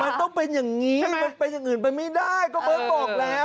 มันต้องเป็นอย่างนี้มันเป็นอย่างอื่นไปไม่ได้ก็เบิร์ตบอกแล้ว